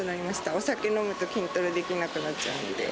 お酒飲むと筋トレできなくなっちゃうんで。